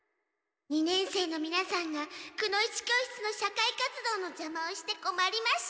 二年生のみなさんがくの一教室の社会活動のじゃまをしてこまります。